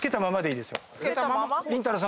りんたろー。